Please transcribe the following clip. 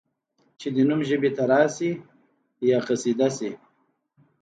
چي دي نوم ژبي ته راسي یا یا قصیده سي